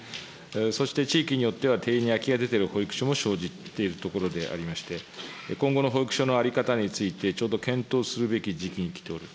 そして地域によっては、定員に空きが出ている保育所も生じているところでありまして、今後の保育所の在り方について、ちょうど検討するべき時期にきている。